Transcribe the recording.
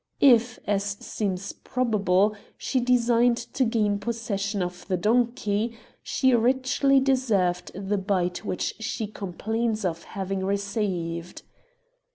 If, as seems probable, she designed to gain possession of the donkey, she richly deserved the bite which she complains of having received.